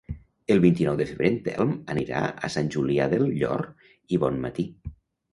El vint-i-nou de febrer en Telm anirà a Sant Julià del Llor i Bonmatí.